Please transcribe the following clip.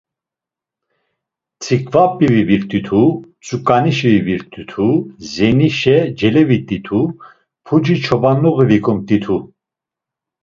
Tziǩvap̌i vibirt̆itu, tzuǩanişi vibirt̆itu, zenişe celevit̆itu, puci çobanluği vikumt̆itu.